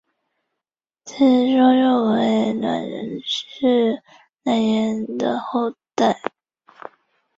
此说认为栾氏乃炎帝的后代。